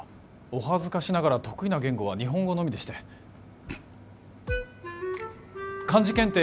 お恥ずかしながら得意な言語は日本語のみでして漢字検定